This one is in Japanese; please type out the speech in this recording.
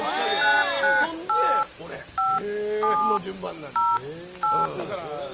そんで、俺の順番なんです。